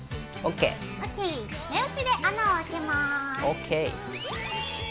目打ちで穴を開けます。